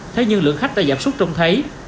thế nhưng lượng khách đã giảm sút trông thấy